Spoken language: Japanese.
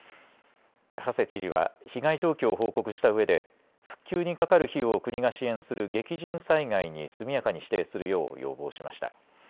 馳知事は被害状況を報告したうえで復旧にかかる費用を国が支援する激甚災害に速やかに指定するよう要望しました。